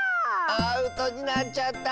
アウトになっちゃった。